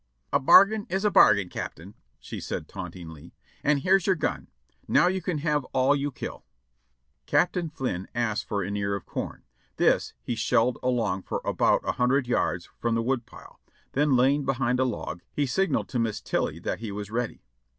" 'A bargain is a bargain. Captain,' she said tauntingly, 'and here's your gun ; now you can have all you kill.' "Captain Flynn asked for an ear of corn; this he shelled along for about a hundred yards from the woodpile, then lying behind a log, he signified to Miss Tilly that he was ready.